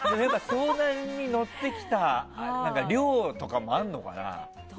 相談に乗ってきた量とかもあるのかな。